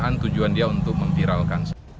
dan tujuan dia untuk mempiralkan